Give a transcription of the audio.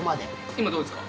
今どうですか。